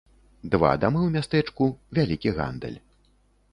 Два дамы ў мястэчку, вялікі гандаль.